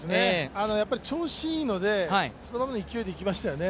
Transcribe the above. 調子いいのでそのままの勢いでいきましたよね。